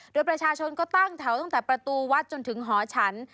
โดยประชาชนก็ตั้งแถวตั้งแต่ประตูวัดจนถึงหอฉัน